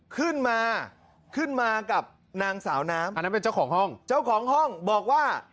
ขึ้นมาขึ้นมากับนางสาวน้ำอันนั้นเป็นเจ้าของห้องเจ้าของห้องบอกว่า